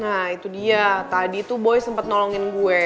nah itu dia tadi tuh boy sempat nolongin gue